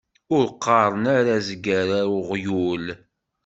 Ur qeṛṛen ara azger ar uɣyul.